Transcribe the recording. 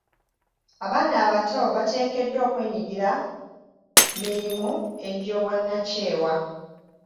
Abaana abato bateekeddwa okwenyigira mirimu egy'obwannakyewa.